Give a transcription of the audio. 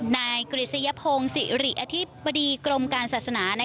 นายกฤษยพงศิริอธิบดีกรมการศาสนา